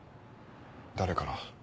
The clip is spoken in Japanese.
誰から？